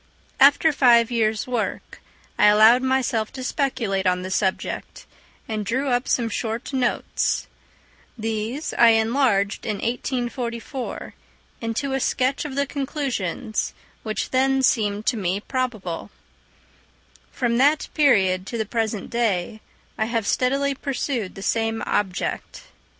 After five years' work I allowed myself to speculate on the subject, and drew up some short notes; these I enlarged in 1844 into a sketch of the conclusions, which then seemed to me probable: from that period to the present day I have steadily pursued the same object.